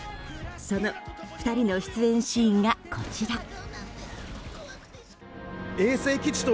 その２人の出演シーンがこちら。